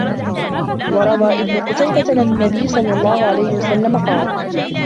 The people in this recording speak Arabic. وَرَوَى ابْنُ قُتَيْبَةَ أَنَّ النَّبِيَّ صَلَّى اللَّهُ عَلَيْهِ وَسَلَّمَ قَالَ